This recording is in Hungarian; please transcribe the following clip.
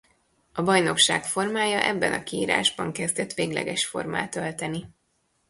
A bajnokság formája ebben a kiírásban kezdett végleges formát ölteni.